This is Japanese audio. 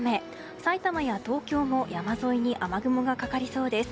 埼玉や東京も山沿いに雨雲がかかりそうです。